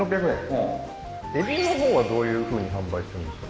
うんエビのほうはどういうふうに販売してるんですか？